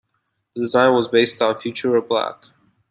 The design was based on Futura Black.